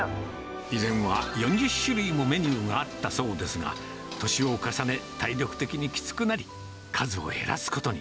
以前は４０種類もメニューがあったそうですが、年を重ね、体力的にきつくなり、数を減らすことに。